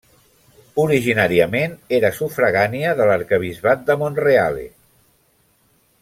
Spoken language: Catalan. Originàriament era sufragània de l'arquebisbat de Monreale.